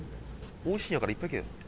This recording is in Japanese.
おいしいんやからいっぱいいけよ。